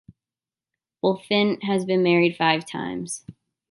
Bulifant has been married five times.